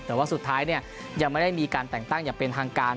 แต่ว่าสุดท้ายยังไม่ได้มีการแต่งตั้งอย่างเป็นทางการ